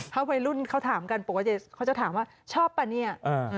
ถ้าวัยรุ่นเขาถามกันปกติเขาจะถามว่าชอบป่ะเนี่ย